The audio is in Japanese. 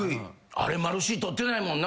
あれマルシー取ってないもんな。